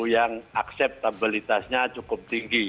yang akseptabilitasnya cukup tinggi